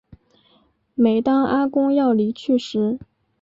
每当阿公要离去时